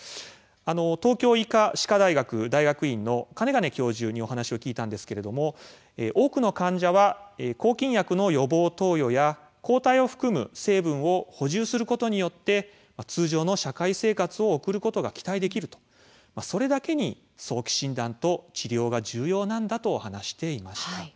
東京医科歯科大学大学院の金兼教授にお話を聞いたんですけれども多くの患者は抗菌薬の予防投与や抗体を含む成分を補充することによって通常の社会生活を送ることが期待できるそれだけに早期診断と治療が重要だと話していました。